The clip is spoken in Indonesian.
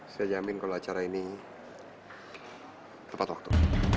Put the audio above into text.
saya jamin kalau acara ini tepat waktu